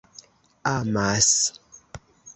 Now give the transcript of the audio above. amas